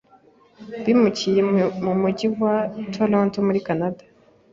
bimukiye mu mujyi wa Toronto muri Canada